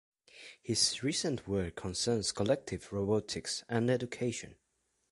His recent work concerns collective robotics and education.